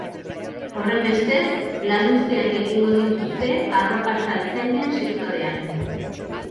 Horrenbestez, lanuzteak egingo dituzte arropa saltzaileen sektorean.